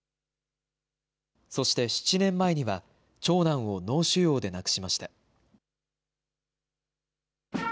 そして７年前には長男を脳腫瘍で亡くしました。